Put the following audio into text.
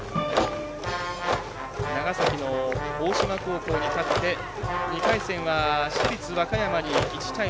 長崎の高校に勝って２回戦は市立和歌山に１対２。